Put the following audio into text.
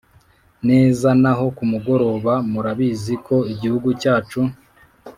neza naho kumugoroba murabizi ko igihugu cyacu